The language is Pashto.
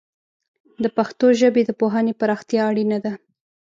د پښتو ژبې د پوهنې پراختیا اړینه ده.